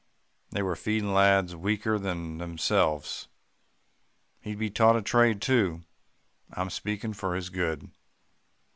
They were feeding lads weaker than themselves. He'd be taught a trade too. I'm speaking for his good.